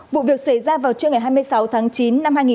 vụ việc xảy ra vào chiều ngày hai mươi sáu tháng chín năm hai nghìn tám